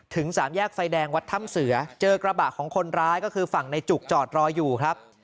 สามแยกไฟแดงวัดถ้ำเสือเจอกระบะของคนร้ายก็คือฝั่งในจุกจอดรออยู่ครับ